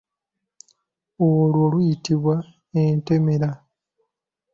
Olwo luyitibwa entemera.